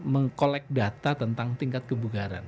meng collect data tentang tingkat kebugaran